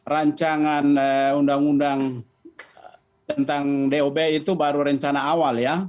rancangan undang undang tentang dob itu baru rencana awal ya